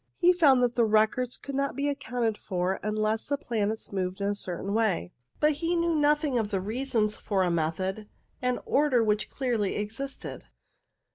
He found that the records could not be accounted for unless the planets moved in a certain way, but he knew nothing of the reasons for a method and order which clearly existed.